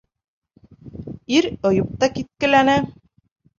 Ир ойоп та киткеләне.